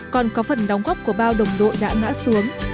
còn có phần đóng góp của bao đồng đội đã ngã xuống